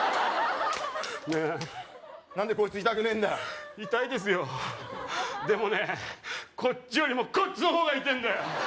ねえ何でこいつ痛くねえんだよ痛いですよでもねこっちよりもこっちの方が痛えんだよ